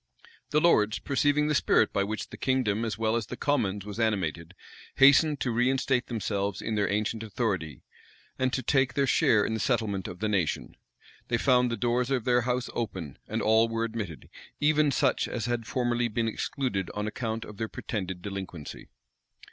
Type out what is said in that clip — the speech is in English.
The lords, perceiving the spirit by which the kingdom as well as the commons was animated, hastened to reinstate themselves in their ancient authority, and to take their share in the settlement of the nation. They found the doors of their house open; and all were admitted, even such as had formerly been excluded on account of their pretended delinquency.